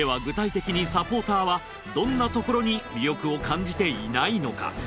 具体的にサポーターはどんなところに魅力を感じていないのか。